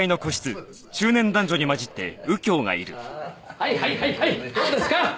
はいはいはいはいどうですか？